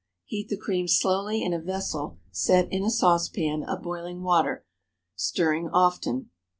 Heat the cream slowly in a vessel set in a saucepan of boiling water, stirring often.